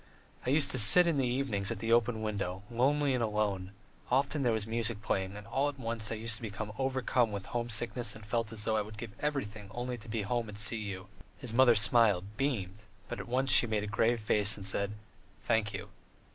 "I used to sit in the evenings at the open window, lonely and alone; often there was music playing, and all at once I used to be overcome with homesickness and felt as though I would give everything only to be at home and see you." His mother smiled, beamed, but at once she made a grave face and said: "Thank you."